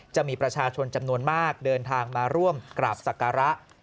จะมีประชาชนจำนวนมากเดินทางมาร่วมกราบศักระ